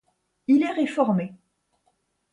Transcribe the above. Il est réformé.